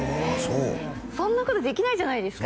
そんなことできないじゃないですか